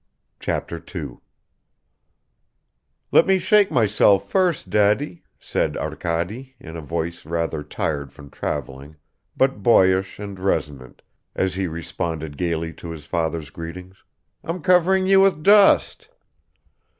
Chapter 2 "LET ME SHAKE MYSELF FIRST, DADDY," SAID ARKADY, IN A VOICE rather tired from traveling but boyish and resonant, as he responded gaily to his father's greetings; "I'm covering you with dust."